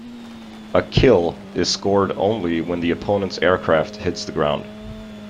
A "kill" is scored only when the opponents aircraft hits the ground.